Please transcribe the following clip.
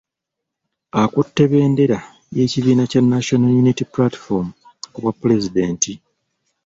Akutte bendera y'ekibiina kya National Unity Platform ku bwapulezidenti.